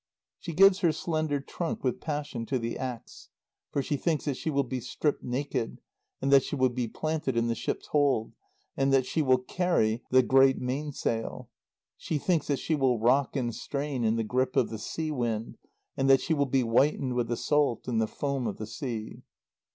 She gives her slender trunk with passion to the ax; for she thinks that she will be stripped naked, and that she will be planted in the ship's hold, and that she will carry the great main sail. She thinks that she will rock and strain in the grip of the sea wind, and that she will be whitened with the salt and the foam of the sea.